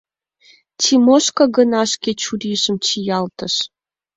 Тимошка гына шке чурийжым чиялтыш.